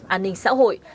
an ninh xã hội